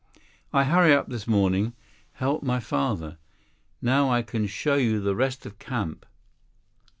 "I hurry up this morning. Help my father. Now I can show you rest of camp."